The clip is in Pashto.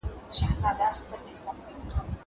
زه بايد وخت ونیسم!!